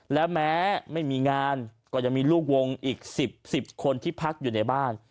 และแม้ไม่มีงานก็ยังมีลูกวงอีก๑๐๑๐คนที่พักอยู่ในบ้าน